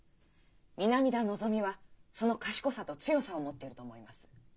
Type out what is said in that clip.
南田のぞみはその賢さと強さを持ってると思います。